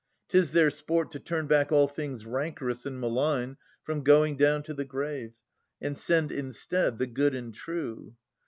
'Tis their sport To turn back all things rancorous and malign From going down to the grave, and send instead The good and true.